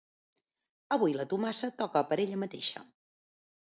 Avui la Tomasa toca per ella mateixa.